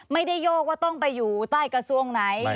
โยกว่าต้องไปอยู่ใต้กระทรวงไหน